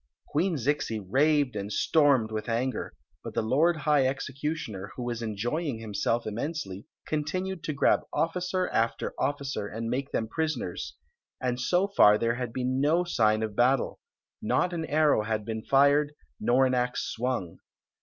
Queen Zixi raved and stormed with anger; but the lord high executioner, who was enjoying himself immensely, continued to grab officer after officer and make them prisoners: and so far there had been no sign of battle; not an arrow had been nred nor an ax swung.